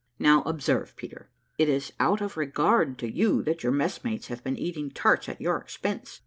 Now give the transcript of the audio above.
Now observe, Peter; it is out of regard to you, that your messmates have been eating tarts at your expense.